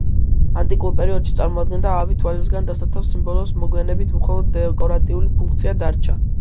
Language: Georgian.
ანტიკურ პერიოდში წარმოადგენდა ავი თვალისაგან დასაცავ სიმბოლოს, მოგვიანებით მხოლოდ დეკორატიული ფუნქცია დარჩა.